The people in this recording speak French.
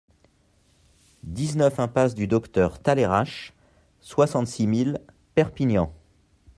dix-neuf impasse du Docteur Talairach, soixante-six mille Perpignan